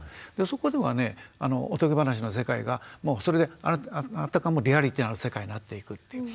そこではねおとぎ話の世界がもうそれであたかもリアリティーな世界になっていくっていう。